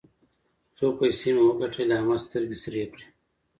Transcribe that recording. څو پيسې مې وګټلې؛ احمد سترګې سرې کړې.